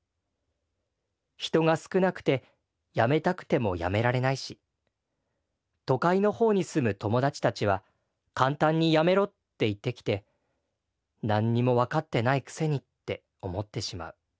人が少なくて辞めたくても辞められないし都会のほうに住む友達たちは簡単に辞めろって言ってきてなんにも分かってないくせにって思ってしまう。